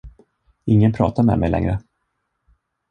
Ingen pratar med mig längre.